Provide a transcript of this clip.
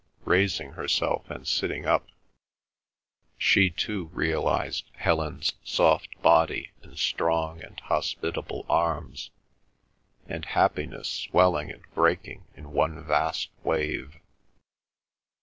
Raising herself and sitting up, she too realised Helen's soft body, the strong and hospitable arms, and happiness swelling and breaking in one vast wave.